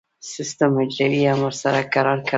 سټیم حجرې هم ورسره کرار کرار